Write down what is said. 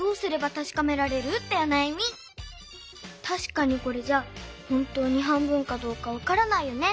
たしかにこれじゃほんとに半分かどうかわからないよね。